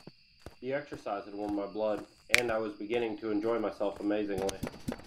The exercise had warmed my blood, and I was beginning to enjoy myself amazingly.